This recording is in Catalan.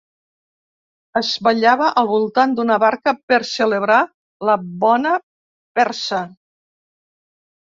Es ballava al voltant d’una barca per celebrar la bona persa.